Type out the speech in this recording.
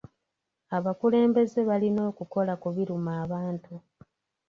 Abakulembeze balina okukola ku biruma abantu.